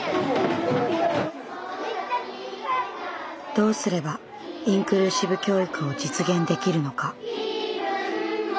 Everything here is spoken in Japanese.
どうすれば「インクルーシブ教育」を実現できるのか。